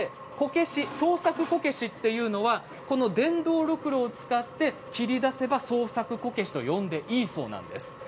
創作こけしというのはこの電動ろくろを使って切り出せば創作こけしと呼んでいいそうなんです。